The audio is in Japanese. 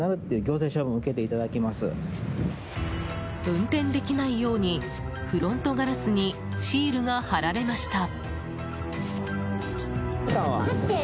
運転できないようにフロントガラスにシールが貼られました。